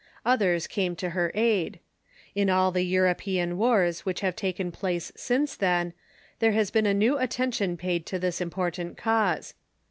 Others came to her aid. In all the European wars which have taken place since then there has been a new attention paid to this important cause.